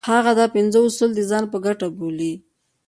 هغه دا پنځه اصول د ځان په ګټه بولي.